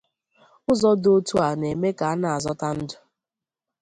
Ụzọ dị otu a na-eme ka a na-azọta ndụ